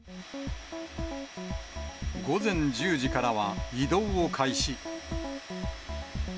午前１０時からは移動を開始。